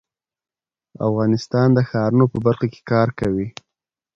افغانستان د ښارونو په برخه کې کار کوي.